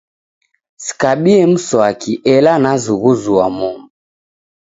Sikabie mswaki ela nazughuzua momu.